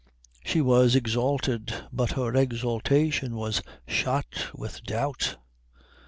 She was exalted, but her exaltation was shot with doubt.